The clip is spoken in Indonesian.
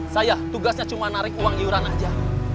saya tugasnya cuma narik uang iuran aja